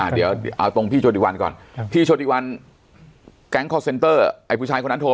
เสียงผู้ชาย